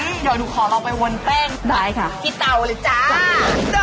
งั้นเดี๋ยวดูขอเราไปวนแป้งพี่เตาเลยจ้าได้ค่ะ